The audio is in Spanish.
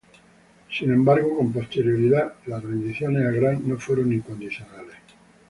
Sin embargo, con posterioridad, las rendiciones a Grant no fueron incondicionales.